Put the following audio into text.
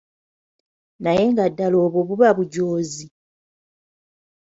Naye nga ddala obwo buba bujoozi?